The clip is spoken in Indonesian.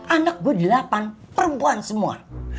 anak gue delapan perempuan semua